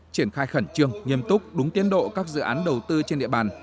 triển khai khẩn trương nghiêm túc đúng tiến độ các dự án đầu tư trên địa bàn